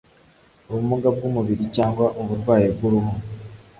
ubumuga bw umubiri cyangwa uburwayi bw’uruhu